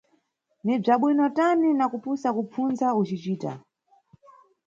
Ni bzabwino tani na kupusa kupfunza ucicita!